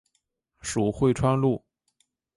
属会川路。